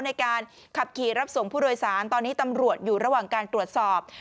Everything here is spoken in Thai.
ในการขับขี่รับส่งผู้โดยสารตอนนี้ตำรวจอยู่ระหว่างการตรวจสอบ